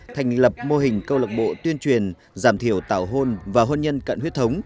thành lập mô hình câu lạc bộ tuyên truyền giảm thiểu tảo hôn và hôn nhân cận huyết thống